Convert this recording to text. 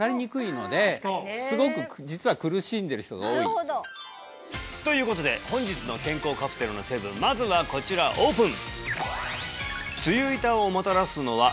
すごくということで本日の健康カプセルの成分まずはこちらオープン！